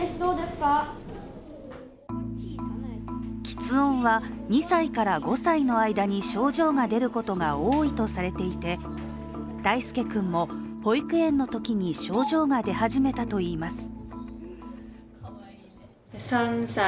きつ音は２歳から５歳の間に症状が出ることが多いとされていて泰丞君も、保育園のときに症状が出始めたといいます。